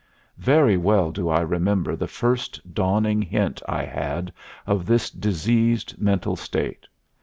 Very well do I remember the first dawning hint I had of this diseased mental state.